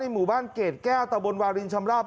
หมู่บ้านเกรดแก้วตะบนวาลินชำราบ